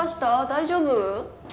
大丈夫？